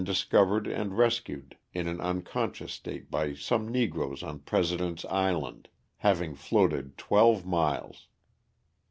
123 discovered and rescued in an unconscious state by some negroes on President's Island, having floated twelve miles.